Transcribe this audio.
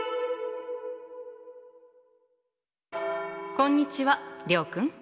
こんにちは諒君。